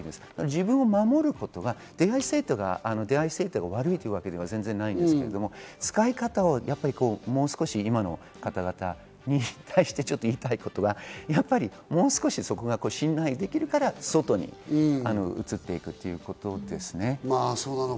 自分を守ることは出会いサイトが悪いということではないんですけれども、使い方をもう少し今の方々に対して言いたいことは、もう少し信頼できるから外に移っていくということですよね。